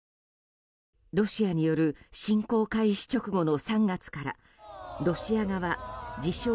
ロシアによる侵攻開始直後の３月からロシア側自称